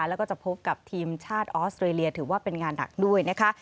แล้วก็จะพบกับทีมชาติออสเตรเลียถือว่าเป็นงานหนักด้วยนะคะ